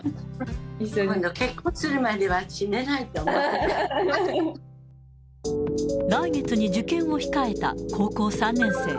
今度は結婚するまでは死ねな来月に受験を控えた高校３年生。